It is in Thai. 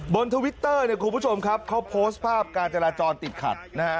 ทวิตเตอร์เนี่ยคุณผู้ชมครับเขาโพสต์ภาพการจราจรติดขัดนะฮะ